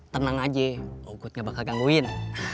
tenang aja oh good gak bakal gangguin